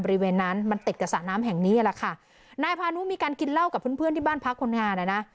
บริเวณนั้นมันติดกับสระน้ำแห่งนี้แหละค่ะนายพานุมีการกินเหล้ากับเพื่อนเพื่อนที่บ้านพักคนงานอ่ะนะ